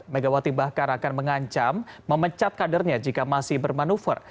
megawati bahkan akan mengancam memecat kadernya jika masih bermanuver